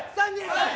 はい。